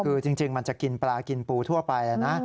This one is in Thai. คือจริงมันจะกินปลากินปูทั่วไปนะ